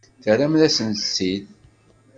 Terramt-asent-t-id.